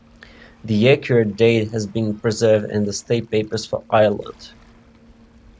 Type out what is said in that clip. The accurate date has been preserved in the State Papers for Ireland.